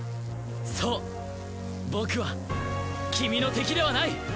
そう僕は君の敵ではない。